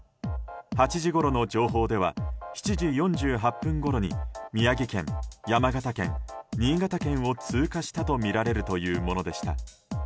８時ごろの情報では７時４８分ごろに宮城県、山形県、新潟県を通過したとみられるというものでした。